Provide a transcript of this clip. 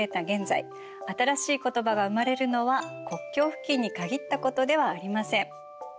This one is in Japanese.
現在新しい言葉が生まれるのは国境付近に限ったことではありません。